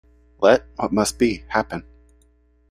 Let what must be, happen.